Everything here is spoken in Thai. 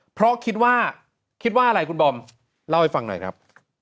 เพราะคิดว่าคิดว่าอะไรคุณบอมเล่าให้ฟังหน่อยครับ